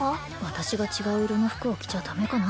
私が違う色の服を着ちゃダメかな？